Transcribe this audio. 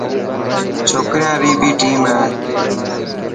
ڇوڪريان ري بي ٽيم هي.